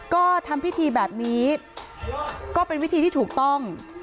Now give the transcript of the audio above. ก็ทำพิธีแบบนี้ก็เป็นวิธีที่ถูกต้อง